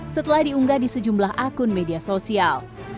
setelah diunggah di sejumlah akun media sosial